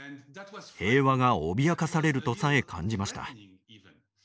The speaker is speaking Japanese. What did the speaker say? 平和が脅かされるとさえ感じました。